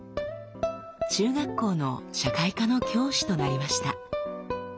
中学校の社会科の教師となりました。